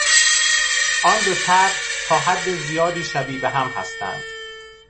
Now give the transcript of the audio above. آن دو طرح تا حد زیادی شبیه به هم هستند.